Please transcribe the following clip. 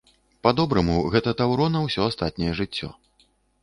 Па-добраму, гэта таўро на ўсё астатняе жыццё.